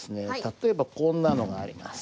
例えばこんなのがあります。